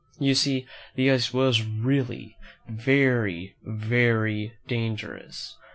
You see the ice was really very, very dangerous.